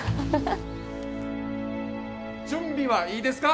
準備はいいですか？